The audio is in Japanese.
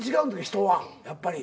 人はやっぱり。